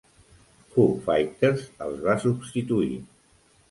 Foo Fighters els va substituir.